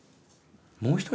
もう１人？